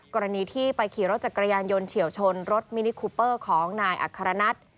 กรณีที่ไปขี่รถจักรยานยนต์เฉียวชนรถมินิคูเปอร์ของนายอัครนัท